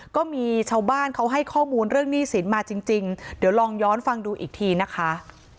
ก็มีชาวบ้านเขาให้ข้อมูลเรื่องหนี้สินมาจริงเดี๋ยวลองย้อนฟังดูอีกทีนะคะ